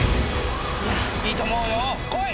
いいと思うよこい！